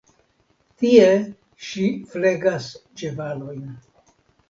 Tie ŝi flegas ĉevalojn.